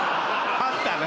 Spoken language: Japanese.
あったな。